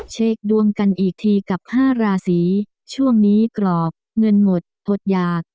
เช็คดวงกันอีกทีกับ๕ราศีช่วงนี้กรอบเงินหมดอดหยาก